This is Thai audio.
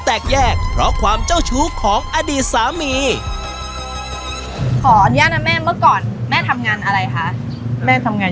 แม่ก็ให้เขามาอยู่ในบ้านด้วยหรอ